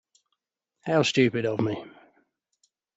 How stupid of me!